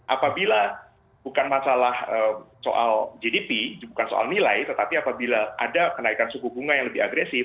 apabila bukan masalah soal gdp bukan soal nilai tetapi apabila ada kenaikan suku bunga yang lebih agresif